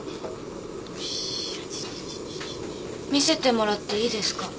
見せてもらっていいですか？